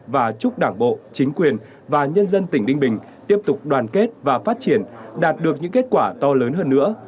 và chúc đảng bộ chính quyền và nhân dân tỉnh ninh bình tiếp tục đoàn kết và phát triển đạt được những kết quả to lớn hơn nữa